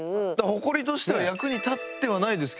ホコリとしては役に立ってはないですけど。